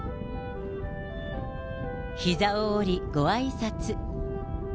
ひざを折り、ごあいさつ。